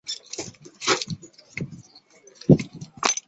夏鼎基与其兄妹大卫及帕米娜皆生于澳洲塔斯曼尼亚州荷伯特。